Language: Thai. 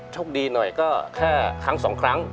โชคดีหน่อยก็แค่ครั้งสองครั้ง